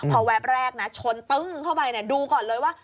พอแวบแรกนะชนตึ้งเข้าไปดูก่อนเลยว่า